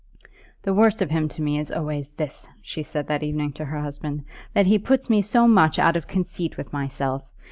"The worst of him to me is always this," she said that evening to her husband, "that he puts me so much out of conceit with myself.